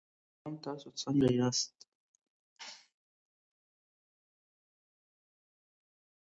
ابن خلدون د خپلې نظریې په اړه څه فکر لري؟